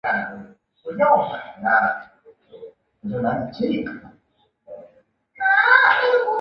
化学学会在承认了门捷列夫的成果五年之后才承认纽兰兹的发现的重要性。